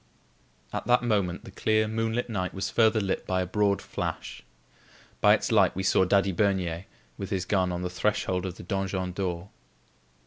At that moment the clear moonlight night was further lit by a broad flash. By its light we saw Daddy Bernier with his gun on the threshold of the donjon door.